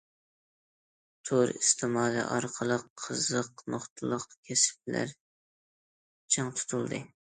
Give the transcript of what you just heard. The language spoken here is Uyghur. تور ئىستېمالى ئارقىلىق قىزىق نۇقتىلىق كەسىپلەر چىڭ تۇتۇلدى.